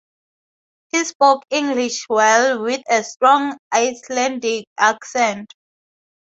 He spoke English well, with a strong Icelandic accent.